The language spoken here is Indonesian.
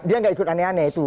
dia nggak ikut aneh aneh itu